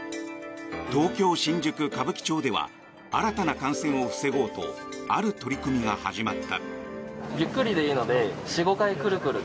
東京、新宿・歌舞伎町では新たな感染を防ごうとある取り組みが始まった。